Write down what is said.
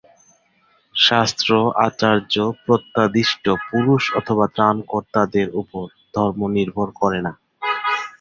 শাস্ত্র, আচার্য, প্রত্যাদিষ্ট পুরুষ অথবা ত্রাণকর্তাদের উপর ধর্ম নির্ভর করে না।